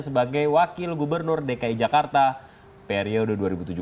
sebagai wakil gubernur dki jakarta periode dua ribu tujuh belas dua ribu dua